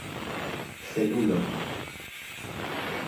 felulo